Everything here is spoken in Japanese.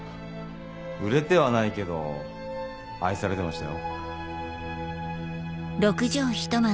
売れてはないけど愛されてましたよ。